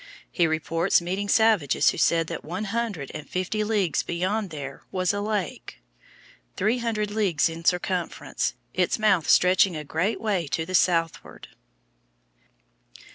He reports meeting savages who said that one hundred and fifty leagues beyond there was a salt lake, "three hundred leagues in circumference its mouth stretching a great way to the southward."